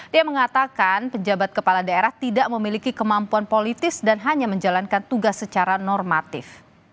dia mengatakan penjabat kepala daerah tidak memiliki kemampuan politis dan hanya menjalankan tugas secara normatif